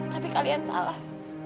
tapi kalian salah